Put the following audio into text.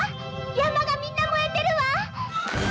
山がみんな燃えているわ！